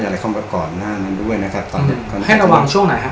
อะไรเข้ามาก่อนหน้านั้นด้วยนะครับตอนนี้ให้ระวังช่วงไหนฮะ